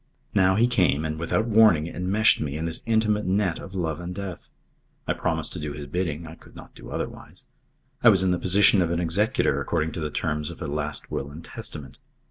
Now he came and without warning enmeshed me in this intimate net of love and death. I promised to do his bidding I could not do otherwise. I was in the position of an executor according to the terms of a last will and testament.